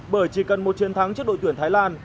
bởi chỉ cần một chiến thắng trước đội tuyển thái lan